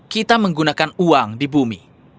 kita menggunakan uang di bumi